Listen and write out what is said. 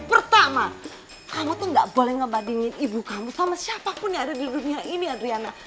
pertama kamu tuh gak boleh ngebandingin ibu kamu sama siapapun yang ada di dunia ini adriana